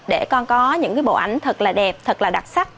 để con có những cái bộ ảnh thật là đẹp thật là đặc sắc